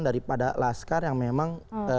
daripada laskar yang memang